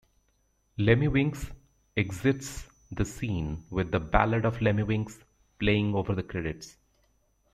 Lemmiwinks exits the scene with the "Ballad of Lemmiwinks" playing over the credits.